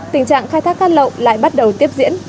tình trạng khai thác cát lậu lại bắt đầu tiếp diễn